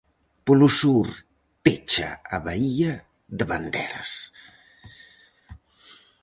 Polo sur pecha a baía de Banderas.